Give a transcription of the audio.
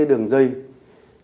nhưng không cần thay cả bang